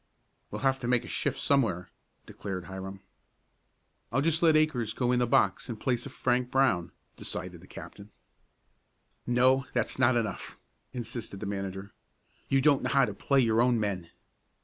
"We'll have to make a shift somewhere," declared Hiram. "I'll just let Akers go in the box in place of Frank Brown," decided the captain. "No, that's not enough," insisted the manager. "You don't know how to play your own men."